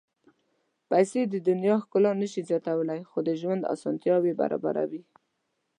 پېسې د دنیا ښکلا نه شي زیاتولی، خو د ژوند اسانتیاوې برابروي.